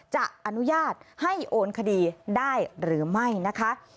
จะอนุญาตให้โอนคดีได้หรือไม่นะคะ